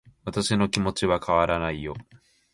私の気持ちは変わらないよ